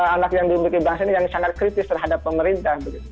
anak yang dimiliki bangsa ini yang sangat kritis terhadap pemerintah